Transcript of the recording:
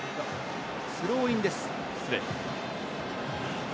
スローインです、失礼。